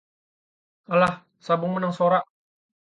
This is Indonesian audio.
Alah sabung menang sorak